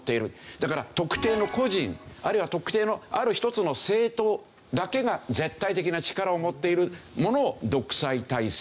だから特定の個人あるいは特定のある一つの政党だけが絶対的な力を持っているものを独裁体制というんですね。